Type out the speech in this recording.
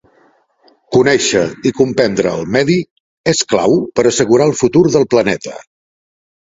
Conèixer i comprendre el medi és clau per assegurar el futur del planeta.